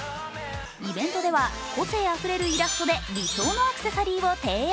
イベントでは個性あふれるイラストで理想のアクセサリーを提案。